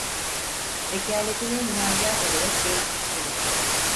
Vekaleti'ne müracaat ederek değiştirttiler.